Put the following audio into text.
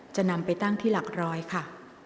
จะนำไปตั้งที่หลักร้อยค่ะ